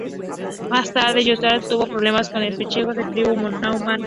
Más tarde Yaroslav tuvo problemas con los pechenegos, una tribu nómada.